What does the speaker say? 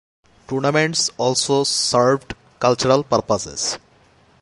Tournaments also served cultural purposes.